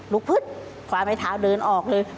ลุกพึดขวานในเท้าเดินออกเลย